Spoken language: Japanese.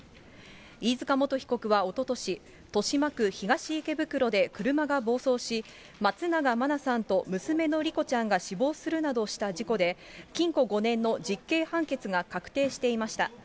飯塚元被告はおととし、豊島区東池袋で車が暴走し、松永真菜さんと娘の莉子ちゃんが死亡するなどした事故で、禁錮５年の実刑判決が確定していました。